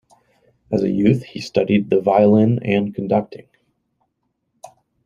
As a youth, he studied the violin and conducting.